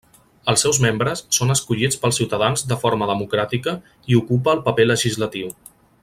Els seus membres són escollits pels ciutadans de forma democràtica i ocupa el paper legislatiu.